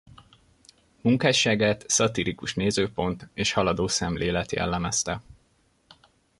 Munkásságát szatirikus nézőpont és haladó szemlélet jellemezte.